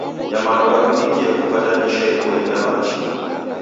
Nyamandu rakundikie kupata ndisha iboie na machi.